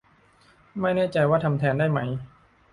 ไม่แน่ใจว่าทำแทนได้ไหม